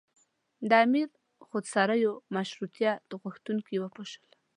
د امیر خودسریو مشروطیه غوښتونکي وپاشل.